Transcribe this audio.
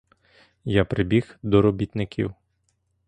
Я прибіг до робітників.